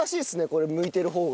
これ向いてる方が。